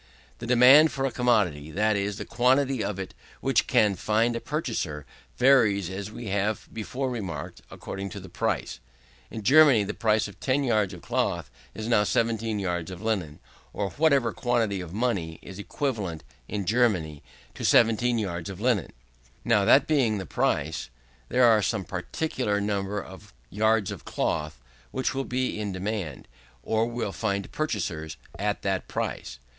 The demand for a commodity, that is, the quantity of it which can find a purchaser, varies, as we have before remarked, according to the price. In Germany, the price of 10 yards of cloth is now 17 yards of linen; or whatever quantity of money is equivalent in Germany to 17 yards of linen. Now, that being the price, there is some particular number of yards of cloth, which will be in demand, or will find purchasers, at that price.